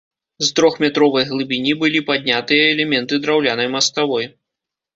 З трохметровай глыбіні былі паднятыя элементы драўлянай маставой.